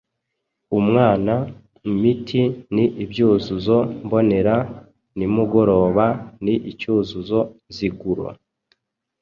umwana, imiti” ni ibyuzuzo mbonera; “nimugoroba” ni icyuzuzo nziguro.